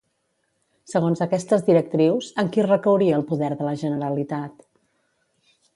Segons aquestes directrius, en qui recauria el poder de la Generalitat?